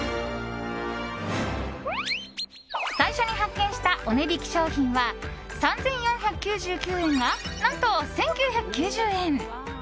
最初に発見したお値引き商品は３４９９円が何と１９９０円！